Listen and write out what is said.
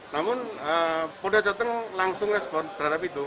namun polda jawa tengah langsung respon terhadap itu